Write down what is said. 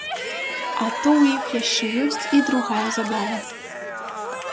А то ў іх яшчэ ёсць і другая забава.